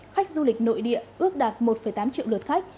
khách du lịch nội địa ước đạt một tám triệu lượt khách